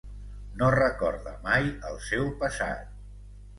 No recorda mai el seu passat.